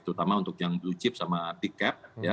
terutama untuk yang blue chip sama pick up